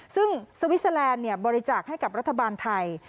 ซึ่งสวิสเตอร์แลนด์บริจาคให้กับรัฐบาลไทย